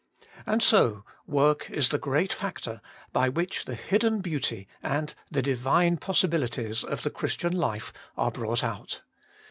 And so work is the great factor by which the hidden beauty and the Divine possibilities of the Christian life are brought out.